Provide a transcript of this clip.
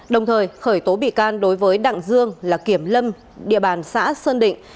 đồng thời khởi tố bị can đối với đặng dương là kiểm lâm địa bàn xã sơn định